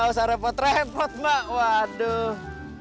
gak usah repot repot mbak waduh